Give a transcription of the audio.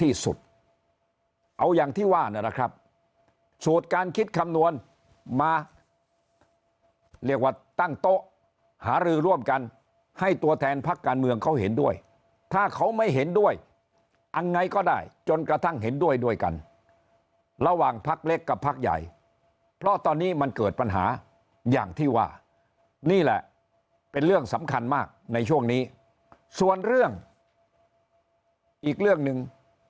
ที่สุดเอาอย่างที่ว่านั่นแหละครับสูตรการคิดคำนวณมาเรียกว่าตั้งโต๊ะหารือร่วมกันให้ตัวแทนพักการเมืองเขาเห็นด้วยถ้าเขาไม่เห็นด้วยยังไงก็ได้จนกระทั่งเห็นด้วยด้วยกันระหว่างพักเล็กกับพักใหญ่เพราะตอนนี้มันเกิดปัญหาอย่างที่ว่านี่แหละเป็นเรื่องสำคัญมากในช่วงนี้ส่วนเรื่องอีกเรื่องหนึ่ง